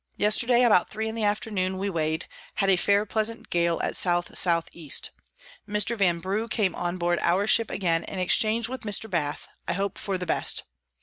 _ Yesterday about three in the Afternoon we weigh'd, had a fair pleasant Gale at S S E. Mr. Vanbrugh came on board our Ship again, and exchang'd with Mr. Bath, I hope for the best.